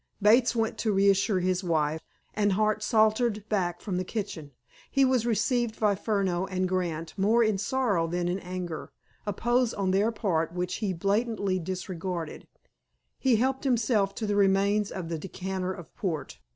Bates went to reassure his wife, and Hart sauntered back from the kitchen. He was received by Furneaux and Grant more in sorrow than in anger, a pose on their part which he blandly disregarded. He helped himself to the remains of the decanter of port.